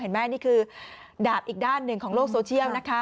นี่คือดาบอีกด้านหนึ่งของโลกโซเชียลนะคะ